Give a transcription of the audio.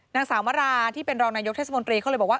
นางสาวมราที่เป็นรองนายกเทศมนตรีเขาเลยบอกว่า